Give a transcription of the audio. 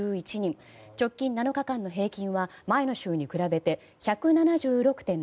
直近７日間の平均は前の週に比べて１７６．６％。